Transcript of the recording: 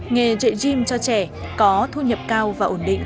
nghề dạy gym cho trẻ có thu nhập cao và ổn định